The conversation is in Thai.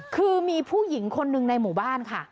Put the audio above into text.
คือมีผู้หญิงคนหนึ่งในหมู่บ้านค่ะ